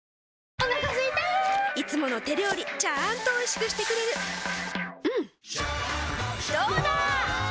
お腹すいたいつもの手料理ちゃんとおいしくしてくれるジューうんどうだわ！